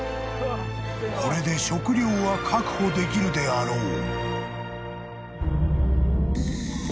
［これで食料は確保できるであろう］